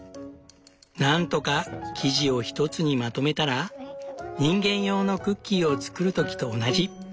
何とか生地を一つにまとめたら人間用のクッキーを作る時と同じ。